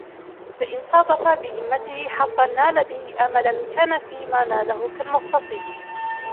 فَإِنْ صَادَفَ بِهِمَّتِهِ حَظًّا نَالَ بِهِ أَمَلًا كَانَ فِيمَا نَالَهُ كَالْمُغْتَصِبِ